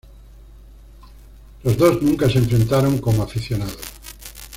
Los dos nunca se enfrentaron como aficionados.